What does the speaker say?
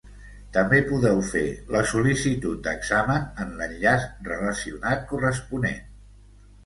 També podeu fer la sol·licitud d'examen en l'enllaç relacionat corresponent.